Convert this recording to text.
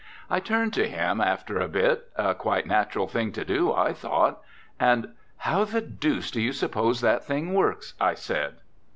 I turned to him after a hit a quite natural thing to do, I thought and, "How the deuce do you suppose that thing works?" I said.